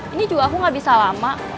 ini juga aku gak bisa lama